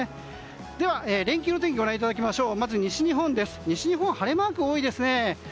では、連休の天気をご覧いただきましょう。